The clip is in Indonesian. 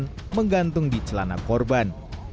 dan menggantung di celana korban